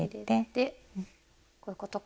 でこういうことか。